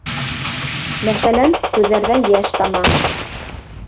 Мәҫәлән, күҙҙәрҙән йәш тама.